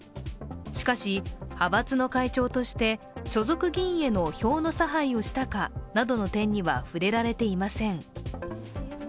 しかし、派閥の会長として所属議員への票の差配をしたかなどの点には触れられていません。